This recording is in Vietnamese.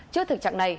trước thực trạng này